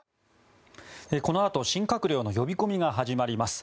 このあと新閣僚の呼び込みが始まります。